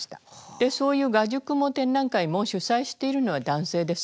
でそういう画塾も展覧会も主催しているのは男性です。